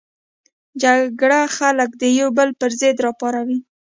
جګړه خلک د یو بل پر ضد راپاروي